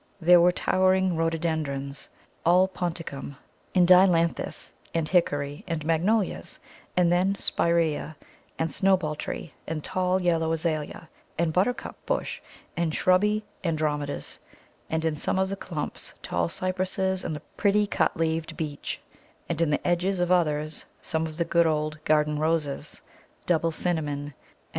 There were towering Rhododendrons (all ponticum) and Ailanthus and Hickory and Magnolias, and then Spiræa and Snowball tree and tall yellow Azalea, and Buttercup bush and shrubby Andromedas, and in some of the clumps tall Cypresses and the pretty cut leaved Beech, and in the edges of others some of the good old garden Roses, double Cinnamon and _R.